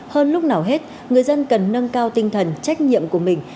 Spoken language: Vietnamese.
hơn lúc nào hết người dân cần nâng cao tinh thần trách nhiệm của mình